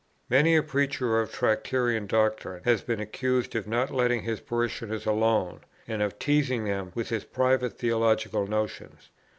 Many a preacher of Tractarian doctrine has been accused of not letting his parishioners alone, and of teasing them with his private theological notions.